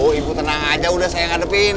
oh ibu tenang aja udah saya ngadepin